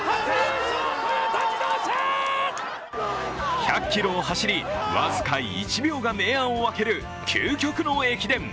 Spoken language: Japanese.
１００ｋｍを走り、僅か１秒が明暗を分ける究極の駅伝。